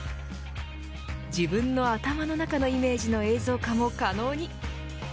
自分の頭の中のイメージの映像化も可能に。